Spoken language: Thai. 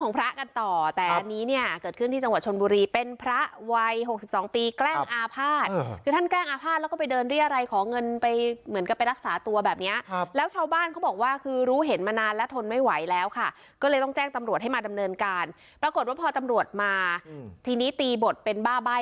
พระกันต่อแต่อันนี้เนี่ยเกิดขึ้นที่จังหวัดชนบุรีเป็นพระวัยหกสิบสองปีแกล้งอาภาษณ์คือท่านแกล้งอาภาษณแล้วก็ไปเดินเรียรัยขอเงินไปเหมือนกับไปรักษาตัวแบบเนี้ยครับแล้วชาวบ้านเขาบอกว่าคือรู้เห็นมานานแล้วทนไม่ไหวแล้วค่ะก็เลยต้องแจ้งตำรวจให้มาดำเนินการปรากฏว่าพอตำรวจมาทีนี้ตีบทเป็นบ้าใบ้